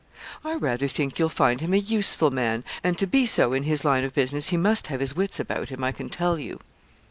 'I rather think you'll find him a useful man; and to be so in his line of business he must have his wits about him, I can tell you.'